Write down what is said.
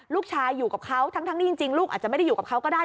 อยู่กับเขาทั้งที่จริงลูกอาจจะไม่ได้อยู่กับเขาก็ได้